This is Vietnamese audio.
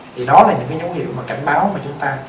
thì đó là những cái dấu hiệu mà cảnh báo mà chúng ta